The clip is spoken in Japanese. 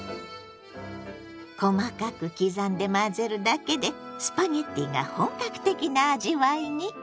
細かく刻んで混ぜるだけでスパゲッティが本格的な味わいに。